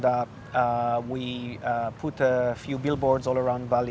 kami menetapkan beberapa bilboard di seluruh bali